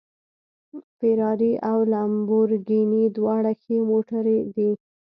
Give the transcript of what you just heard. فېراري او لمبورګیني دواړه ښې موټرې دي